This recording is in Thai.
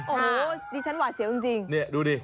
โอ้โหดิฉันหว่าเสียวจริง